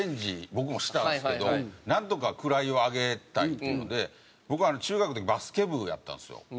僕もしたんですけどなんとか位を上げたいっていうので僕中学でバスケ部やったんですよ。